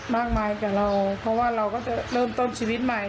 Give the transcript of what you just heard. มากมายกับเราเพราะว่าเราก็จะเริ่มต้นชีวิตใหม่